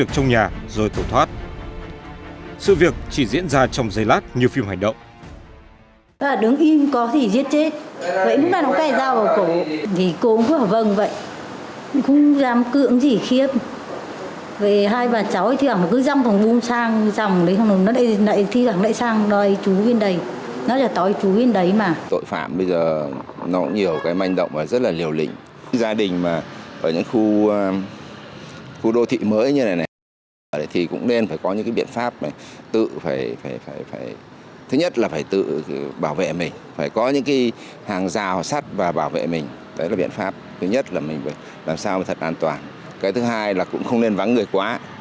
cái thứ hai là cũng không nên vắng người quá